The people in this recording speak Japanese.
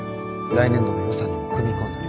来年度の予算にも組み込んで。